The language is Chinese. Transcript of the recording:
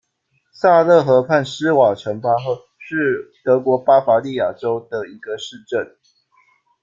萨勒河畔施瓦岑巴赫是德国巴伐利亚州的一个市镇。